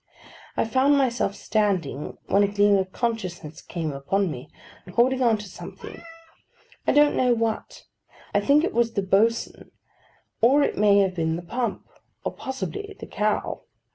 I found myself standing, when a gleam of consciousness came upon me, holding on to something. I don't know what. I think it was the boatswain: or it may have been the pump: or possibly the cow.